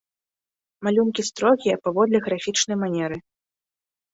Малюнкі строгія паводле графічнай манеры.